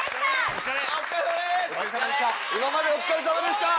今までお疲れさまでした！